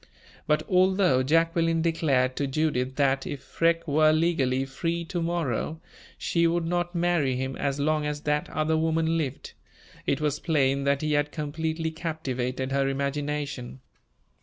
But, although Jacqueline declared to Judith that, if Freke were legally free to morrow, she would not marry him as long as that other woman lived, it was plain that he had completely captivated her imagination.